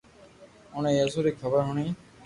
اوڻي يسوع ري خبر ھوڻين